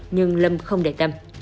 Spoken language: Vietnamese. nhưng lâm không để tâm